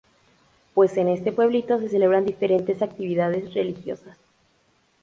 Pues en este pueblito se celebran diferentes actividades religiosas.